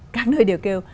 các nơi đều kêu